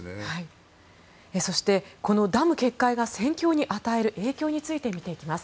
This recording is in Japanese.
そしてこのダム決壊が戦況に与える影響について見ていきます。